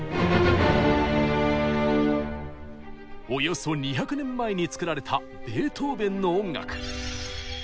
およそ２００年前に作られたベートーベンの音楽。